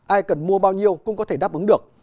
ai cần mua bao nhiêu cũng có thể đáp ứng được